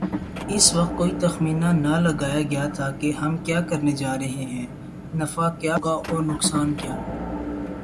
اس وقت کوئی تخمینہ نہ لگایاگیاتھا کہ ہم یہ کیا کرنے جارہے ہیں‘ نفع کیا ہوگا اورنقصان کیا۔